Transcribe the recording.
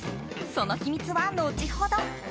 その秘密は後ほど。